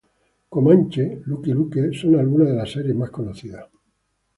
Comanche, Lucky Luke, son algunas de sus series más conocidas.